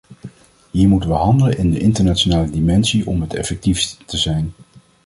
Hier moeten we handelen in de internationale dimensie om het effectiefst te zijn.